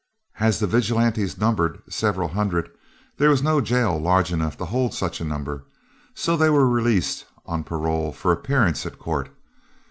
As the vigilantes numbered several hundred, there was no jail large enough to hold such a number, so they were released on parole for appearance at court.